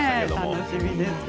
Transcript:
楽しみです。